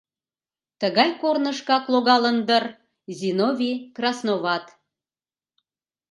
Тыгай корнышкак логалын дыр Зиновий Красноват.